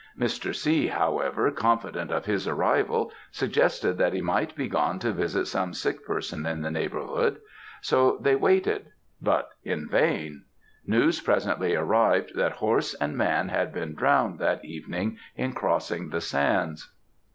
Mr. C., however, confident of his arrival, suggested that he might be gone to visit some sick person in the neighbourhood; so they waited. But in vain; news presently arrived that horse and man had been drowned that evening in crossing the sands."